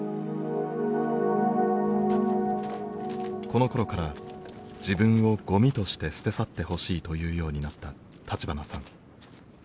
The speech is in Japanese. このころから自分をゴミとして捨て去ってほしいというようになった立花さん。